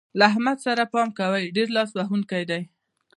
له احمد سره پام کوئ؛ ډېر لاس وهونکی دی.